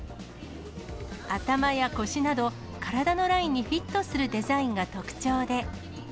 頭や腰など、体のラインにフィットするデザインが特徴で。